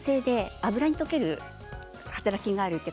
油に溶けるの働きがあります。